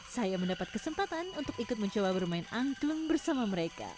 saya mendapat kesempatan untuk ikut mencoba bermain angklung bersama mereka